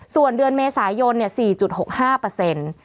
ส่วนเดือนเมษายน๔๖๕